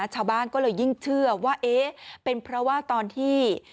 ชาวบ้านก็เลยยิ่งเชื่อว่าเอ๊ะเป็นเพราะว่าตอนที่